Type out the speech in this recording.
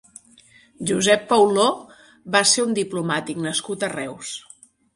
Josep Pauló va ser un diplomàtic nascut a Reus.